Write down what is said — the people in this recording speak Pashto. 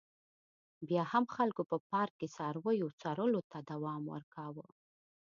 بیا هم خلکو په پارک کې څارویو څرولو ته دوام ورکاوه.